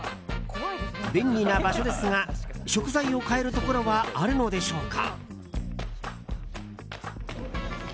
便利な場所ですが、食材を買えるところはあるのでしょうか。